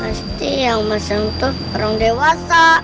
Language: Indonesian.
pasti yang masang tuh orang dewasa